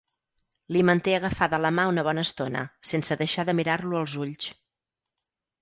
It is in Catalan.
Li manté agafada la mà una bona estona, sense deixar de mirar-lo als ulls.